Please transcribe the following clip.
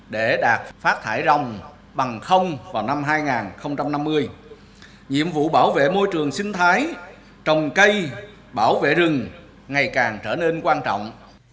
để đạt phát thải rồng bằng không vào năm hai nghìn năm mươi nhiệm vụ bảo vệ môi trường sinh thái trồng cây bảo vệ rừng ngày càng trở nên quan trọng